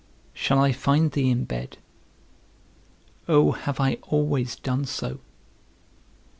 Shall I find thee in bed? Oh, have I always done so?